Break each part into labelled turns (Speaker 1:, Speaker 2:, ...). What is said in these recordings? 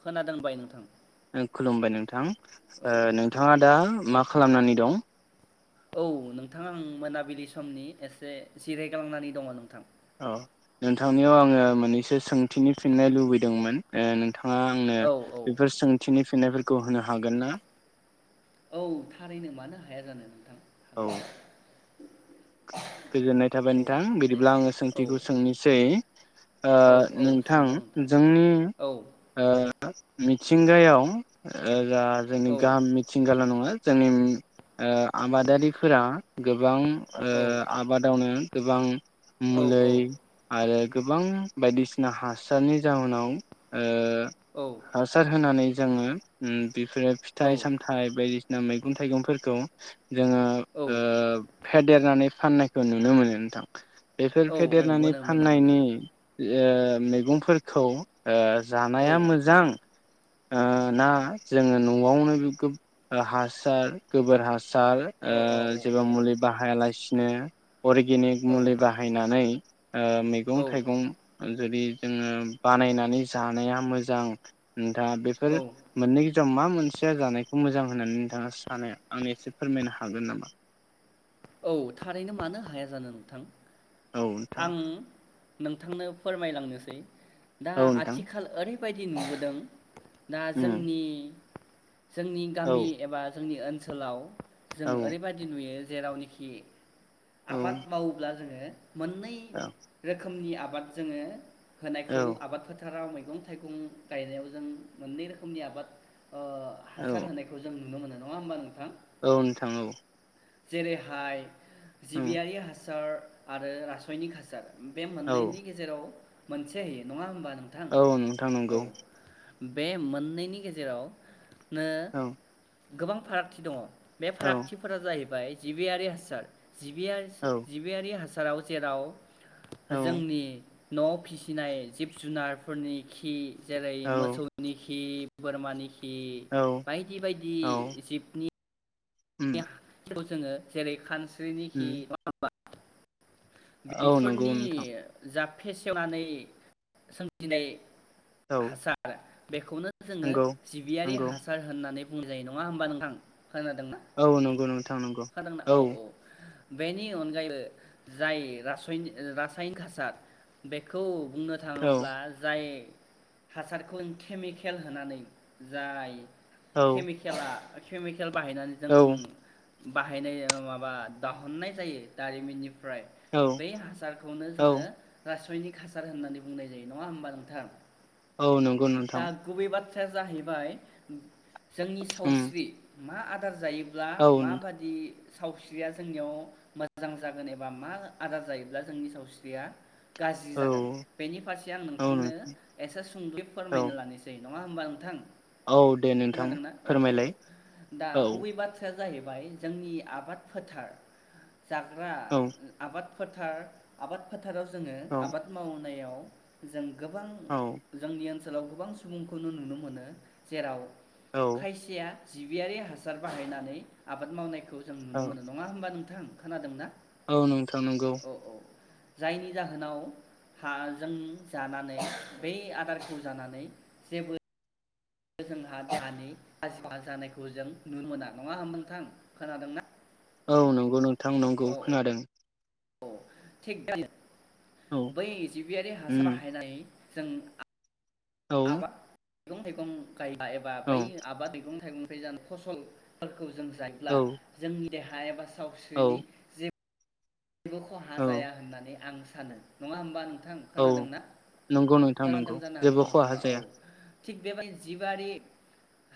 Speaker 1: खोनादों बाय नोंथां।
Speaker 2: खुलुमबाय नोंथां
Speaker 1: औ
Speaker 2: ओ
Speaker 1: औ
Speaker 2: नोंथाङा दा मा खालामनानै दं।
Speaker 1: औ नोंथाङा आं मोनाबिलि समनि एसे जिरायग्लांनानै दङ' नोंथां।
Speaker 2: औ नोंथांनियाव आङो मोननैसो सोंथिनि फिननाय लुबैदोंमोन ओ नोंथा नोंथांआ आंनो
Speaker 1: औ औ
Speaker 2: बेफोर सोंथिनि फिनायफोरखौ होनो हागोन ना?
Speaker 1: औ थारैनो मानो हाया जानो नोंथां।
Speaker 2: औ
Speaker 1: हागोन
Speaker 2: गोजोननाय थाबाय
Speaker 1: औ
Speaker 2: नोंथां
Speaker 1: दे
Speaker 2: बिदिब्ला आङो
Speaker 1: सोंलाय औ
Speaker 2: सोंथिखौ सोंनोसै ओ
Speaker 1: औ औ
Speaker 2: नोंथां
Speaker 1: सोंदो
Speaker 2: जोंनि
Speaker 1: औ
Speaker 2: ओ मिथिंगायाव जा जोंनि
Speaker 1: औ
Speaker 2: गाहाम मिथिंगाल नङा जोंनि ओ आबादारिफोरा गोबां ओ
Speaker 1: औ
Speaker 2: मावनो गोबां
Speaker 1: औ
Speaker 2: मुलै
Speaker 1: औ
Speaker 2: आरो गोबां बायदिसिना हासारनि जाहोनाव हासार होनानै जोङो उम बेफोरो
Speaker 1: औ
Speaker 2: फिथाइ सामथायाइ बायदिसि ना मैगं थाइगंफोरखौ जोङो
Speaker 1: औ
Speaker 2: ओ फेदेरनानै फाननायखौ नुनो मोनो नोंथां बेफोर
Speaker 1: औ
Speaker 2: फेदेरनानै
Speaker 1: मोनो मोनो मोनो
Speaker 2: फाननायनि ओ मैगंफोरखौ ओ
Speaker 1: औ
Speaker 2: जानाया मोजां ओ ना जोङो न'आवनो हासार गोबोर हा सार
Speaker 1: औ औ औ
Speaker 2: ओ जेबो मुलि बाहाया लासि नो अरगेनिक
Speaker 1: औ
Speaker 2: मुलि बाहायनानै ओ मैगं
Speaker 1: औ
Speaker 2: थाइगं जुदि जोङो बानायनानै जानाया मोजां दा बेफोर
Speaker 1: औ
Speaker 2: मोननै गेजेराव मा मोनसेया जानायखौ मोजां होननानै नोंथाङा सानो आंनो एसे फोरमायनो हागोन नामा?
Speaker 1: औ थारैनो मानो हाया जानो नोंथां
Speaker 2: औ नोंथां
Speaker 1: आं नोंथांनो फोरमायलांनोसै दा
Speaker 2: औ
Speaker 1: [unintelligible]
Speaker 2: नोंथां
Speaker 1: [unintelligible] नुबोदों। दा
Speaker 2: उम
Speaker 1: जोंनि जोंनि
Speaker 2: औ
Speaker 1: गामि एबा जोंनि ओनसोलाव जों
Speaker 2: औ
Speaker 1: ओरैबायदि नुयो जेरावनि खि
Speaker 2: औ
Speaker 1: आबाद मावोब्ला जोङो मोननै
Speaker 2: औ
Speaker 1: रोखोमनि आब आबाद जोङो
Speaker 2: औ
Speaker 1: होनायखौ आबाद फोथाराव मै मैगं थाइगं गायनायाव जों मोननै रोखोमनि आबाद ओ हासार होनायखौ जों नुनो मोनो नङा होमबा नोंथां?
Speaker 2: औ नोंथां औ
Speaker 1: जेरैहाय जिबियारि हासार आरो रासयनिक हासार बे
Speaker 2: औ
Speaker 1: मोननैनि गेजेराव मोनसे नङा होनबा
Speaker 2: औ नोंथां नंगौ।
Speaker 1: बे मोननैनि गेजेराव नो
Speaker 2: औ
Speaker 1: गोबां फारागथि दङ बे
Speaker 2: औ
Speaker 1: फारागथिफोरा जाहै फाय जिबियारि हासार जिबियारि सो
Speaker 2: औ
Speaker 1: जिबियारि हास फोराव जेराव
Speaker 2: औ
Speaker 1: जोंनि न'आव फिसिनाय जिब जुनारफोरनि खि। जेरै
Speaker 2: औ
Speaker 1: मोसौनि खि बोरमानि खि। खि
Speaker 2: औ
Speaker 1: बायदि बायदि
Speaker 2: औ
Speaker 1: जिबनि।
Speaker 2: उम
Speaker 1: [unintelligible] जोङो जेरै खानस
Speaker 2: उम
Speaker 1: [unintelligible] [inaudible]
Speaker 2: औ नंगौ
Speaker 1: बेफोरनि
Speaker 2: नोंथां
Speaker 1: जा फेसेवनानै सोमजिनाय।
Speaker 2: औ
Speaker 1: हासार बेखौनो जोङो
Speaker 2: नंगौ
Speaker 1: जिबियारि
Speaker 2: नंगौ
Speaker 1: हासार होननानै बुंनाय जायो नङा होमबा नोंथां खोनादोंना
Speaker 2: औ नंगौ नोंथां नंगौ
Speaker 1: खोनादोंना औ औ बेनि अनगायैबो जाय रासनिक रासायनिक हासार बेखौ बुंनो
Speaker 2: औ
Speaker 1: थाङोब्ला जाय हासारखौन केमिकेल होनानै जाय
Speaker 2: औ
Speaker 1: खेमे खेला। फेमि खेल बाहायनानै
Speaker 2: औ
Speaker 1: जों बाहायनाय माबा दाहननाय जायो दारिमिननि फ्राय
Speaker 2: औ
Speaker 1: बे हासारखौनो
Speaker 2: औ
Speaker 1: जोङो रासयनिक हासार होननानै बुंनाय जायो नङा होमबा नोंथां
Speaker 2: औ नंगौ नोंथां
Speaker 1: खोथाया जाहैबाय जोंनि
Speaker 2: उम
Speaker 1: सावस्रि मा आ। खार जायो। अब्ला
Speaker 2: औ
Speaker 1: माबादि सावस्रिया जोंनियाव मोजां जागोन एब बा मा आदार जायोब्ला जोंनि सावस्रिया गाज्रि
Speaker 2: औ
Speaker 1: जागोन बेनि फारसे आं
Speaker 2: औ
Speaker 1: नोंथांनो
Speaker 2: नोंथां
Speaker 1: एसे सुंद'यै
Speaker 2: औ
Speaker 1: फोरमायनो लानायसै। नङा होमबा नोंथां?
Speaker 2: औ दे नोंथां
Speaker 1: खोनादोंनाा अ अ
Speaker 2: फोरमायलाय
Speaker 1: दा
Speaker 2: औ
Speaker 1: गुबै बाथ्राया जाहैबाय जोंनि आबाद फोथार जाग्रा
Speaker 2: औ
Speaker 1: आबाद फोथार, आबाद फोथ थाराव जोङो आबाद मावनायाव जों गोबां
Speaker 2: औ
Speaker 1: जोंनि ओनसो सोलाव गोबां सुबुंखौनो नुनो मोनो जेराव
Speaker 2: औ
Speaker 1: खायसेया जिबियारि हासार बाहायनानै आबाद मावनायखौ जों
Speaker 2: औ
Speaker 1: नो मोनो नङा होमबा नोंथा? थां खोनादों ना?
Speaker 2: औ नोंथां नंगौ।
Speaker 1: जायनि जाहोनाव हाजों जानानै बे आदारखौ जानानै जेबो जोंहा देहानि [inaudible] जानायखौ जों नुनो मोना नङा होमबा नोंथां खोनादोंना?
Speaker 2: औ नंगौ नों थां
Speaker 1: औ
Speaker 2: नंगौ खोनादों।
Speaker 1: औ [inaudible]
Speaker 2: औ
Speaker 1: बै जिबियारि हासार
Speaker 2: उम
Speaker 1: बाहायनानै जों आ
Speaker 2: औ
Speaker 1: आबा गं थाइगं एबा
Speaker 2: औ
Speaker 1: बै आबा मैगं-थाइगं [unintelligible] फसल [inaudible] खौ जों जायोब्ला
Speaker 2: औ
Speaker 1: जोंनि देहा एबा सो
Speaker 2: औ
Speaker 1: सावस्रिनि जे बो खहा
Speaker 2: औ
Speaker 1: जाया होननानै आं सा सानो नङा होमबा नों थां
Speaker 2: औ
Speaker 1: खोनादोंना?
Speaker 2: नंगौ नोंथां
Speaker 1: खोनादों
Speaker 2: नंगौ
Speaker 1: जानो हागौ
Speaker 2: जेबो खहा
Speaker 1: नोंथाङा औ।
Speaker 2: जाया
Speaker 1: थिग बेबाय जिबारि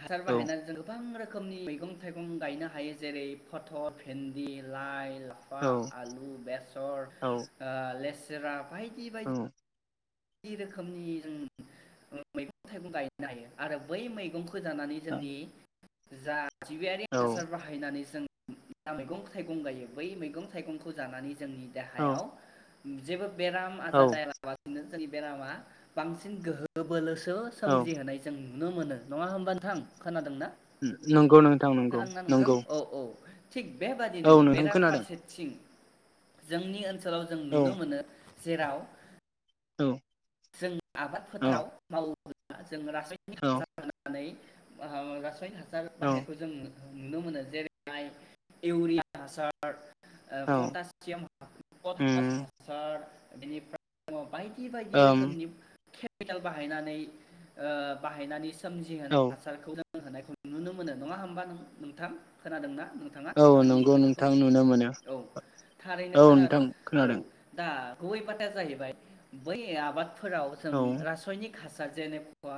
Speaker 1: हासार
Speaker 2: औ
Speaker 1: बाहायना जों गोबां रो रोखोमनि मैगं थाइगं गायनो हायो जेरै फथल, भेन्दि, लाइ लाफा
Speaker 2: औ
Speaker 1: आलु, बेसर,
Speaker 2: औ
Speaker 1: ओ ले राबाय
Speaker 2: औ।
Speaker 1: रोखोमनि जों मैगं थाइगं गायनो हायो। आरो बै मैगंखौ बो जानानै जोंनि जा जिबियारि
Speaker 2: औ
Speaker 1: हासार बाहायनानै जों मैगं थाइगं गायो बै मैगं थाइगंखौ जानानै जोंनि
Speaker 2: औ
Speaker 1: देहायाव जेबो बेराम
Speaker 2: औ
Speaker 1: आजार जायालाबासिनो जोंनि बेरामा बांसिन गोहो बोलो सो
Speaker 2: औ
Speaker 1: सोमजिहोनाय जों नुनो मोनो नङा होमबा नोथां, खोनादों ना?
Speaker 2: नंगौ नोंथां नंगौ नंगौ।
Speaker 1: औ औ थिग
Speaker 2: औ
Speaker 1: बेबादिनो
Speaker 2: नोंथां खोनादों
Speaker 1: बेराफारसेथिं जोंनि ओन सोलाव जों
Speaker 2: औ
Speaker 1: नुनो मोनो जेराव
Speaker 2: औ।
Speaker 1: जों आबाद
Speaker 2: औ
Speaker 1: फोथाराव मावो जों रासायनिक
Speaker 2: औ
Speaker 1: हासार होननानै [unintelligible] रासायना सार बाहाय नायखौ
Speaker 2: औ
Speaker 1: जों नुनो मोनो जेरैहाय इउरिया हासार ओ
Speaker 2: औ
Speaker 1: पटासियाम [unintelligible] पटास
Speaker 2: उम
Speaker 1: हासार बेनिफ्राय हरबाय दि बायदि
Speaker 2: ओम
Speaker 1: केमिकेल बाहायनानै ओ बाहायनानै सोमजिहोनाय
Speaker 2: औ
Speaker 1: हासारखौ जों होनायखौ नुनो मोनो नङा होमबा नोंथां खोनादों ना नोंथाङा
Speaker 2: औ
Speaker 1: आंनि
Speaker 2: नंगौ
Speaker 1: खोथाखौ
Speaker 2: नोंथां नुनो मोनो
Speaker 1: औ थारैनो
Speaker 2: औ नोंथां
Speaker 1: खोनादों औ
Speaker 2: खोनादों
Speaker 1: दा गुबै फाथा जाहैबाय बै आबाद फोराव जों
Speaker 2: औ
Speaker 1: रासायनिक हासार जेनेबा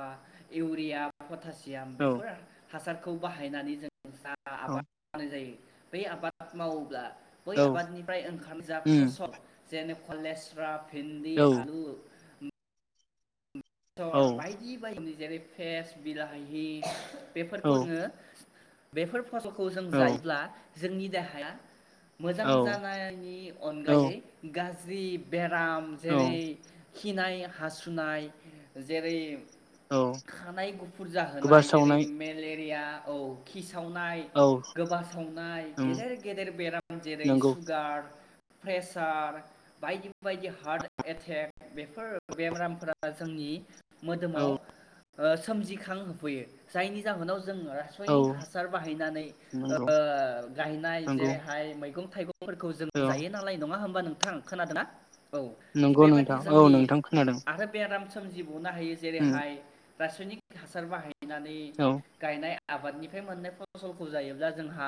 Speaker 1: इउरिया पतासि याम
Speaker 2: औ
Speaker 1: बेफोर हासारखौ बाहायनानै जों जा
Speaker 2: औ
Speaker 1: आबाद मावनाय जायो बै आबाद मावोब्ला बै
Speaker 2: औ
Speaker 1: आबादनिफ्राय ओंखारनाय जा
Speaker 2: उम
Speaker 1: फसल जेनेबा [unintelligible] भिन्दि,
Speaker 2: औ
Speaker 1: आलु
Speaker 2: औ
Speaker 1: थर बायदि बायदि जेरै फ्रेस बिलाहि
Speaker 2: औ
Speaker 1: बेफोरखौ जोङो बेफोर फसलखौ जों
Speaker 2: औ
Speaker 1: जायोब्ला। जोंनि देहाया। मोजां जानायनि
Speaker 2: औ
Speaker 1: अनगायै गाज्रि [unintelligible] बा
Speaker 2: औ
Speaker 1: जेरै खिनाय हासुनाय। जेरै
Speaker 2: औ
Speaker 1: खानाय गुफुर
Speaker 2: गोबा
Speaker 1: जाहोनाय जेरै
Speaker 2: सावनाय
Speaker 1: मेले [inaudible] सावनाय
Speaker 2: औ
Speaker 1: गोबा सावनाय
Speaker 2: उम
Speaker 1: गेदेर गेदेर बेराम जेरै
Speaker 2: नंगौ
Speaker 1: सुगार प्रेसार बायदि बायदि हार्ट एटेक बेफोर बेरामफोरा जोंनि
Speaker 2: औ
Speaker 1: मोदोमाव ओ सोमजिखां होफैयो जायनि जाहोनाव जों
Speaker 2: औ
Speaker 1: रासायनिक हासार बाहायनानै
Speaker 2: नंगौ
Speaker 1: ओ गायनाय
Speaker 2: नंगौ
Speaker 1: जेरैहाय मैगं थाइगंफोरखौ जों
Speaker 2: औ
Speaker 1: जायो नालाय नङा होमबा नों नोंथां खोनादों ना?
Speaker 2: नंगौ नोंथां औ नोंथां खोनादों।
Speaker 1: थाब सोमजिब गहोनो हायो
Speaker 2: उम
Speaker 1: जेरैहाय रासायनिक हासार बाहाय नानै
Speaker 2: औ
Speaker 1: गायनाय आबादनिफ्राय मोननाय फसलखौ जायोब्ला जोंहा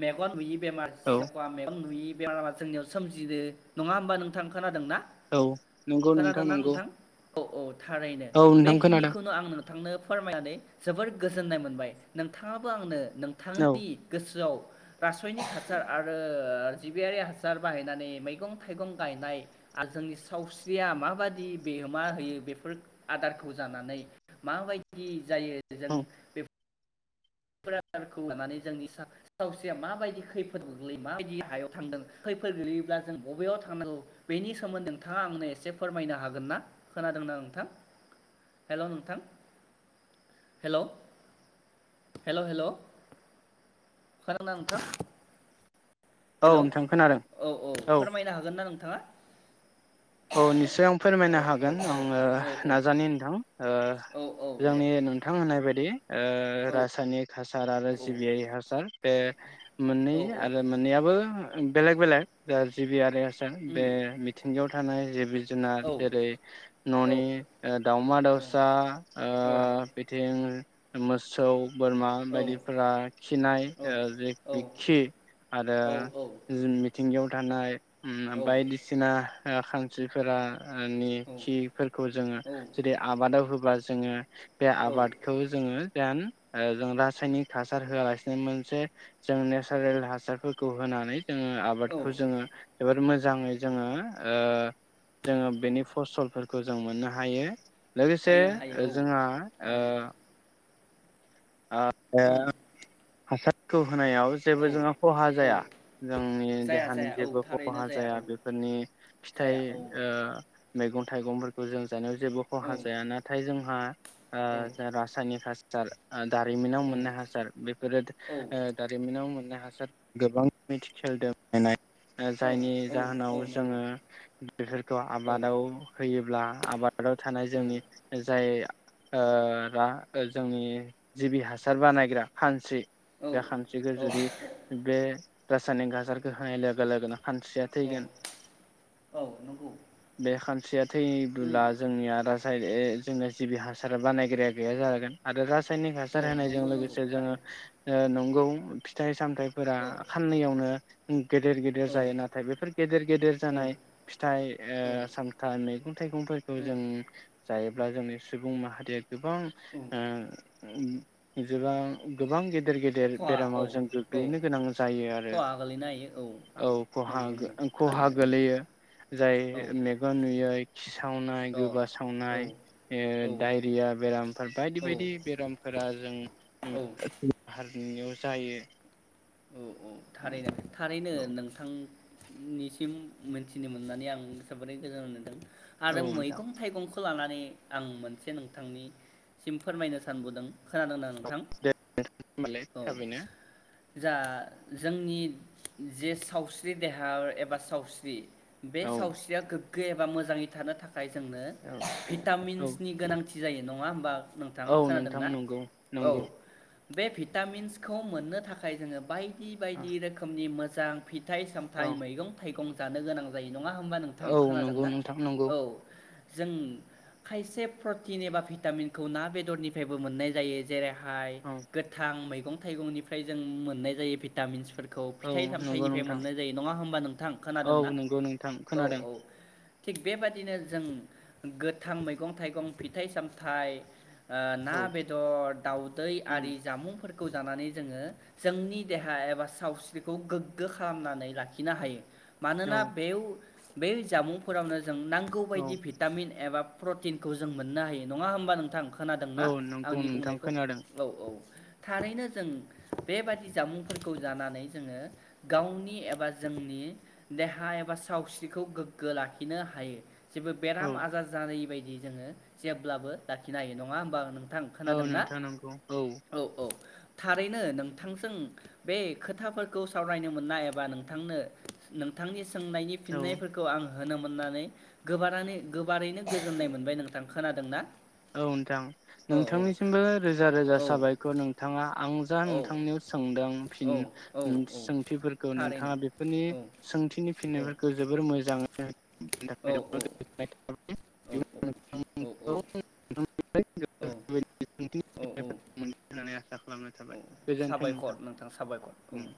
Speaker 1: मेगन नुयि बेमार
Speaker 2: औ
Speaker 1: जाबा मेगन नुयि बेमारा जोंनियाव सोमजिदो नङा होमबा नोंथां खोनादों ना
Speaker 2: औ नंगौ नोंथां नंगौ
Speaker 1: अ औ। थारैनो
Speaker 2: औ नोंथां खोनादों
Speaker 1: बेखिनिखौनो आं नों नोंथांनो फोरमायनानै जोबोर गोजोननाय मोनबाय नोंथाङाबो आंनो
Speaker 2: औ
Speaker 1: नोंथांनि गोसोआव रासयनिक हासार आरो जिबियारि हासार बाहायनानै मैगं थाइगं गायनाय आ जोंनि सावस्रिया माबादि बेओ मा होयो बेफोर आदारखौ जानानै माबायदि जायो जों
Speaker 2: औ
Speaker 1: बेफ फोराखौ लानानै जोंनि सा सावस्रिया माबायदि खैफोद गोग्लैयो माबायदि हायाव थांदों खैफोद गोग्लैयोब्ला जों बबेयाव थांनांगौ बेनि सोमोन्दै नोंथाङा आंनो एसे फोरमायनो हागोन ना खोनादोंना नोंथां हेलौ नोंथां हेलौ हेल' हेल' खोनाना नोंथां?
Speaker 2: औ
Speaker 1: हेलौ
Speaker 2: नोंथां खोनादों
Speaker 1: औ औ फोरमायनो हागोन ना नों ओ
Speaker 2: औ निस्सय आं फोरमायनो हागोन
Speaker 1: औ
Speaker 2: आङो
Speaker 1: औ औ
Speaker 2: नाजानि नोंथां ओ ओ
Speaker 1: औ औ दे
Speaker 2: जोंनि नोंथां होननाय बायदि। ओ
Speaker 1: औ
Speaker 2: रासायनिक हासार आरो
Speaker 1: औ
Speaker 2: सिबियारि हासार बे मोननै
Speaker 1: औ औ
Speaker 2: आरो मोननैयाबो। बेलेग बेलग ओ जिबियारि हास सा बे
Speaker 1: उम
Speaker 2: मिथिंगायाव खानाय जेबिस जुनार
Speaker 1: औ
Speaker 2: जेरै
Speaker 1: औ
Speaker 2: न'नि ओ दाउमा दाउसा ओ
Speaker 1: औ
Speaker 2: बिथिं मोसौ बोरमा
Speaker 1: औ
Speaker 2: बायदिफोरा खिनाय ओ जे-ज-खि आरो जों मिथिंगायाव थानाय उम बायदिसिना ओ खांसिफोरा। ओ निखिफोरखौ जोङो
Speaker 1: औ
Speaker 2: जेरै आबादाव होब ब्ला जोङो। बे
Speaker 1: औ
Speaker 2: आबादखौ जोङो दान ओ जों रासायनिक हासार होआलासिनो मोनसे जों नेसारेल हासारफोरखौ होनानै जोङो
Speaker 1: औ
Speaker 2: आबादखौ जोङो जोबोर मोजाङै जोङो ओ जोङो बेनि फसलफोरखौ जों मोननो हायो। लोगोसे
Speaker 1: हायो हायो औ
Speaker 2: जोंहा ओ
Speaker 1: थारैनो
Speaker 2: आ
Speaker 1: उम
Speaker 2: [unintelligible] हासारखौ होनायाव जेबो जोंहा खहा
Speaker 1: औ
Speaker 2: जाया
Speaker 1: औ
Speaker 2: जोंनि
Speaker 1: जाया
Speaker 2: देहानि
Speaker 1: जाया औ
Speaker 2: जेबो
Speaker 1: थारैनो
Speaker 2: खहा जाया
Speaker 1: औ
Speaker 2: बेफोरनि फिथाइ
Speaker 1: जाया औ
Speaker 2: ओ मैगं थाइगंफोरखौ जों जानायाव जेबो
Speaker 1: औ
Speaker 2: खहा जाया, नाथाय जों हा आ
Speaker 1: औ
Speaker 2: जा रासायनिक हास साल दारिमिनाव
Speaker 1: औ
Speaker 2: मोननाय हासार, बेफोरो
Speaker 1: औ
Speaker 2: ओ दारिमिनाव मोन हासार गोबां मिथिखेलदो [unintelligible] नाय
Speaker 1: औ
Speaker 2: जायनि जाहोनाव जोङो
Speaker 1: नंगौ
Speaker 2: बेफोरखौ
Speaker 1: औ
Speaker 2: आबादाव होयोब्ला आबाद। आबादाव थानाय जोंनि, जाय ओ दा जोंनि जिबि हासार बानायग्रा खानस्रि, बे
Speaker 1: औ
Speaker 2: सानस्रिखो
Speaker 1: औ
Speaker 2: जुदि बे रासायनिक हासारखौ होनाय लोगो लोगोनो खानस्रिया
Speaker 1: औ
Speaker 2: थैगोन
Speaker 1: औ नंगौ
Speaker 2: बे खान [unintelligible]
Speaker 1: उम
Speaker 2: थैयोब्ला जोंनिया रासाय [unintelligible] जिबि हासारा बानायग्राया गैया जागोन आरो रासा रासायनिक
Speaker 1: औ
Speaker 2: हासार होनायजों
Speaker 1: नंगौ नंगौ
Speaker 2: लोगोसे जोङो
Speaker 1: थारैनो
Speaker 2: ओ [unintelligible] फिथाइ सामथाइफोरा
Speaker 1: औ
Speaker 2: खाननैयावनो गेदेर गेदेर
Speaker 1: औ
Speaker 2: जायो नाथाय बेफोर गेदेर गेदेर
Speaker 1: औ
Speaker 2: जानाय फिथाइ ओ
Speaker 1: औ
Speaker 2: सामथाइ, मैगं थाइगंफोरखौ जों जायोब्ला जोंनि सुबुं माहारिया गोबां
Speaker 1: औ
Speaker 2: ओम जेब्ला गोबां गेदेर देर गेदेर
Speaker 1: खहा औ
Speaker 2: बेरामाव जों
Speaker 1: औ
Speaker 2: गोग्लैनो गोनां जायो आरो
Speaker 1: खहा गोलैनो हायो
Speaker 2: औ खहा
Speaker 1: नंगौ नंगौ
Speaker 2: खहा
Speaker 1: थारैनो औ
Speaker 2: गोलैयो जाय
Speaker 1: औ
Speaker 2: मेगन नुयै खिसावनाय
Speaker 1: औ
Speaker 2: गोबासावनाय
Speaker 1: औ
Speaker 2: ओ डायरिया बेरामफोर बायदि
Speaker 1: औ
Speaker 2: बायदि बेरामफोरा जों
Speaker 1: औ औ
Speaker 2: [unintelligible] बेयाव जायो।
Speaker 1: औ औ थारैनो थारैनो
Speaker 2: औ
Speaker 1: नोंथां निसिम मोनथिनो मोननानै आं जोबोरै गोजोननाय मोनदों।
Speaker 2: औ
Speaker 1: आरो
Speaker 2: नोंथां
Speaker 1: मैगं थाइगंखौ लानान नै आं मोनसे नोंथांनि सिम फोरमायनो सानबोदों। खोनादोंना
Speaker 2: औ
Speaker 1: नोंथां
Speaker 2: दे नोंथां होमबालाय
Speaker 1: औ
Speaker 2: थाबैनो
Speaker 1: जा जोंनि जे सावस्रि देहा एबा सावस्रि बे
Speaker 2: औ
Speaker 1: सावस्रिया गोग्गो एब बा मोजाङै थानो थाख खाय जोंनो
Speaker 2: औ औ
Speaker 1: भिटामिन्सनि गोनां थि जायो नङा होमबा। नोंथां
Speaker 2: औ नोंथां
Speaker 1: खोनादोंना
Speaker 2: नंगौ
Speaker 1: औ
Speaker 2: नंगौ।
Speaker 1: बे भिटामिन्सखौ मोननो थाख खाय जोङो बाइदि। दि
Speaker 2: औ
Speaker 1: बायदि रोखोमनि मोज मोजां फिथाइ सामथाइ, मैगं थाइगं जानो गोनां जायो। नङा होमबा नोंथां
Speaker 2: औ नंगौ
Speaker 1: खोनादोंना
Speaker 2: नोंथां नंगौ
Speaker 1: औ जों खायसे प्रटिन एबा भिटामिनखौ ना बेदरनिफ्रायबो मोननाय जायो जेरै खाय
Speaker 2: औ
Speaker 1: गोथां मैग गं थाइगंनिफ्राय। जों मोननाय जायो भिटामिन्सफोर खौ
Speaker 2: औ
Speaker 1: फिथाइ
Speaker 2: नंगौ
Speaker 1: सामथाइनिफाय
Speaker 2: नोंथां
Speaker 1: मोननाय जायो नङा होमबा नोंथां
Speaker 2: औ
Speaker 1: खोनादोंना?
Speaker 2: नंगौ नोंथां
Speaker 1: औ
Speaker 2: खोनादों
Speaker 1: औ। थिग बेबादिनो जों गोथां मैगं थाइगं फिथाइ सामथाइ। ओ ना
Speaker 2: औ
Speaker 1: बेदर दाउदै
Speaker 2: उम
Speaker 1: आरि जामुं। फोरखौ जानानै जोङो। जोंनि देहा एबा सावस्रिखौ गोग्गो खालामनानै लाखिनो हायो।
Speaker 2: औ
Speaker 1: मानोना बेव बै जामुंफोरावनो। जों नांगौ
Speaker 2: औ
Speaker 1: बायदि भिटामिन एबा। प्रटिनखौ जों मोननो हायो नङा होमबा नोंथां। खोनादोंना
Speaker 2: औ नंगौ
Speaker 1: आंनि
Speaker 2: नोंथां
Speaker 1: बुंनायखौ
Speaker 2: खोनादों
Speaker 1: औ औ थारैनो जों बेबादि जामुंफोरखौ जानानै जोङो गावनि एबा जोंनि देहा एबा सावस्रिखौ गोग्गो लाखिनो हायो। जेबो
Speaker 2: औ
Speaker 1: बेराम आजार जायै बाय दि जोङो जेब्लाबो लाखिनो हायो। नङा होमबा नों थां
Speaker 2: औ
Speaker 1: खोनादोंनाऔ
Speaker 2: नोंथां नंगौ औ
Speaker 1: औ था रैनो नोंथांजों बे खोथाफोरखौ सावरायनो मोनना एबा नोंथांनो नोंथांनि सोंनायनि
Speaker 2: औ
Speaker 1: फिननायफोरखौ आं होनो मोननानै गोबानानै गोबारैनो गोजोननाय मोनबाय नोंथां खोनादोंना?
Speaker 2: औ नोंथां
Speaker 1: औ औ
Speaker 2: नोंथांनिसिमबो रोजा रोजा
Speaker 1: औ
Speaker 2: साबायखर नोंथाङा आं जा नोंथांनियाव सोंदों
Speaker 1: औ
Speaker 2: फिन
Speaker 1: औ
Speaker 2: ओम
Speaker 1: औ
Speaker 2: सोंथिफोरखौ
Speaker 1: थारैनो
Speaker 2: नोंथाङा बेफोरनि
Speaker 1: औ
Speaker 2: सोंथिनि
Speaker 1: औ
Speaker 2: फिननायफोरखौ जोबोर मोजां [unintelligible]
Speaker 1: औ औ
Speaker 2: गोजोननाय थाबाय।
Speaker 1: औ औ औ औ।
Speaker 2: [unintelligible] आसा
Speaker 1: औ औ
Speaker 2: खालामनाय
Speaker 1: औ
Speaker 2: थाबाय। गोजोन्थों
Speaker 1: साबायखर
Speaker 2: नोंथां
Speaker 1: साबायखर औ
Speaker 2: ओम